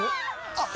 あっ！